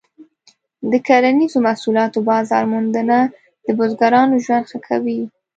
د کرنیزو محصولاتو بازار موندنه د بزګرانو ژوند ښه کوي.